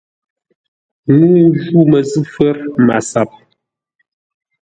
Ŋuu ju məzʉ̂ fə̌r MASAP.